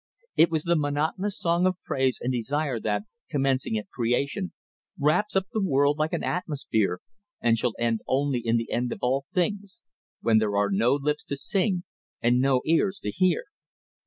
It was the monotonous song of praise and desire that, commencing at creation, wraps up the world like an atmosphere and shall end only in the end of all things when there are no lips to sing and no ears to hear.